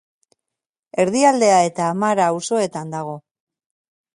Erdialdea eta Amara auzoetan dago.